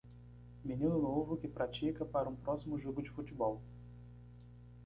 Menino novo que pratica para um próximo jogo de futebol.